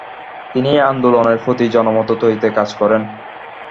তিনি আন্দোলনের প্রতি জনমত তৈরিতে কাজ করেন।